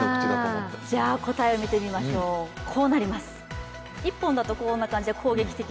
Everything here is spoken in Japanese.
じゃ、答えを見てみましょう、こうなります。